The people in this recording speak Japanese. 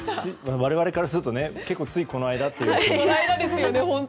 我々からすると結構ついこの間という感じですよ。